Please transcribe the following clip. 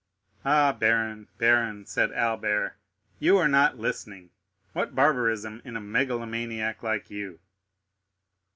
"Ah, baron, baron," said Albert, "you are not listening—what barbarism in a megalomaniac like you!"